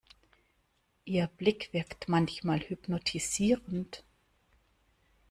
Ihr Blick wirkt manchmal hypnotisierend.